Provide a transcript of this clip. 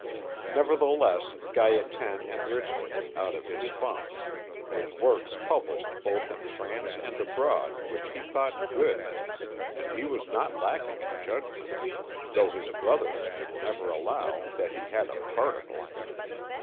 Nevertheless, Gaétan enriched it, out of his funds, with works published both in France and abroad which he thought good, and he was not lacking in judgment, though his brothers would never allow that he had a particle.